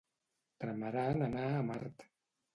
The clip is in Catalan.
Tramaran anar a Mart.